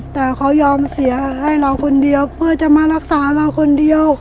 แต่เขายอมเสียให้เราคนเดียวเพื่อจะมารักษาเราคนเดียว